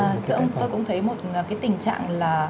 tôi cũng thấy một cái tình trạng là